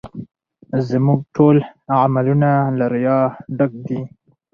زموږ ټول عملونه له ریا ډک دي